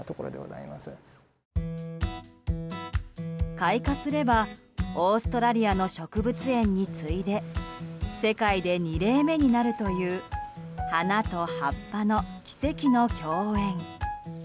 開花すればオーストラリアの植物園に次いで世界で２例目になるという花と葉っぱの奇跡の共演。